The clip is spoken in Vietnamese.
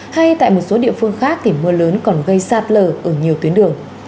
hay tại một số địa phương khác thì mưa lớn còn gây sạt lở ở nhiều tuyến đường